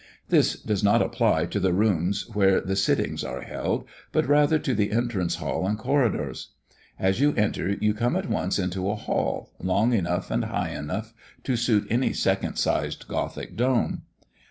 This does not apply to the rooms where the sittings are held, but rather to the entrance hall and corridors. As you enter you come at once into a hall, long enough and high enough to suit any second sized Gothic dome.